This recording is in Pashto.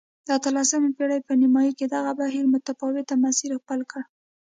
د اتلسمې پېړۍ په نیمايي کې دغه بهیر متفاوت مسیر خپل کړ.